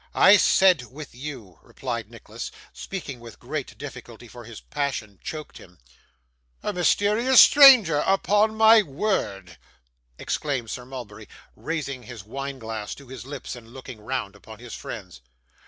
'I said with you,' replied Nicholas, speaking with great difficulty, for his passion choked him. 'A mysterious stranger, upon my soul!' exclaimed Sir Mulberry, raising his wine glass to his lips, and looking round upon his friends.